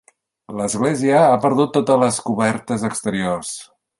L'església ha perdut del tot les cobertes exteriors.